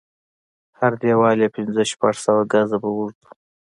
هر دېوال يې پنځه شپږ سوه ګزه به اوږد و.